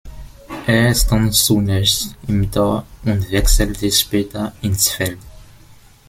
Er stand zunächst im Tor und wechselte später ins Feld.